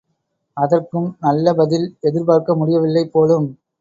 அதற்கும் நல்ல பதில் எதிர்பார்க்க முடியவில்லை போலும்.